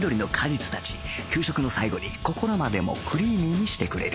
給食の最後に心までもクリーミーにしてくれる